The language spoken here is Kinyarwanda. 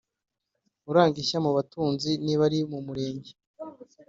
Uranga ishya mu batunzi. Niba ari mu murere